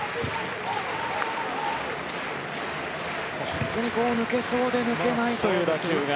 本当に抜けそうで抜けないという打球が。